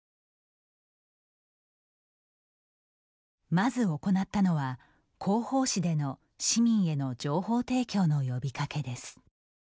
まず行ったのは、広報誌での市民への情報提供の呼びかけです。